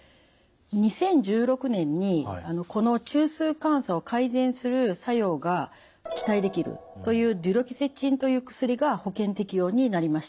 ２０１６年にこの中枢感作を改善する作用が期待できるというデュロキセチンという薬が保険適用になりました。